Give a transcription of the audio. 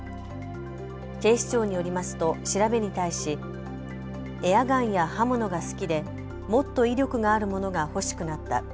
警視庁によりますと調べに対しエアガンや刃物が好きでもっと威力があるものが欲しくなった。